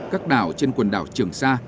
các đảo trên quần đảo trường sa